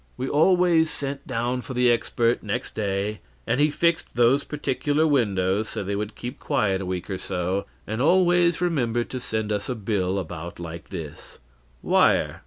We always sent down for the expert next day, and he fixed those particular windows so they would keep quiet a week or so, and always remembered to send us a bill about like this: Wire